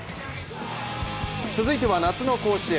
続いては夏の甲子園。